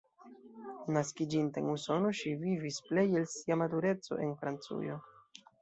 Naskiĝinta en Usono, ŝi vivis plej el sia matureco en Francujo.